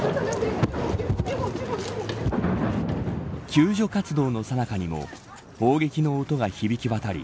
救助活動のさなかにも砲撃の音が響き渡り